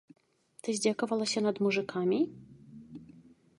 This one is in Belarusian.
Ты здзекавалася над мужыкамі?